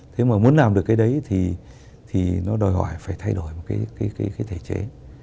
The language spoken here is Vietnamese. thế mà muốn làm được cái đấy thì nó đòi hỏi phải thay đổi một cái thể chế